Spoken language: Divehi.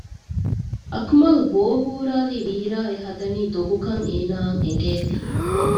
އަކުމަލް ބޯ ހުރާލީ ވީރާ އެހަދަނީ ދޮގުކަން އޭނާއަށް އެނގޭތީ